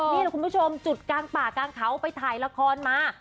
นี่แหละคุณผู้ชมจุดกลางป่ากลางเขาไปถ่ายละครมา